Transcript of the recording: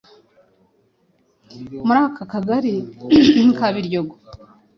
muri aka kagari ka Biryogo